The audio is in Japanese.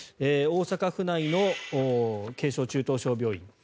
大阪府内の軽症・中等症病院。